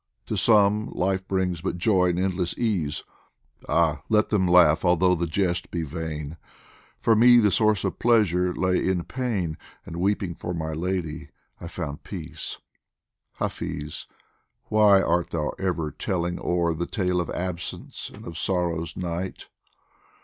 To some, life brings but joy and endless ease ; Ah, let them laugh although the jest be vain ! For me the source of pleasure lay in pain, And weeping for my lady I found peace. Hafiz, why art thou ever telling o'er The tale of absence and of sorrow's night